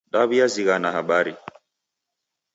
Daw'iazighana habari.